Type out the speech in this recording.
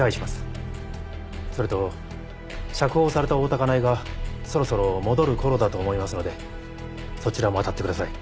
それと釈放された大多香苗がそろそろ戻る頃だと思いますのでそちらもあたってください。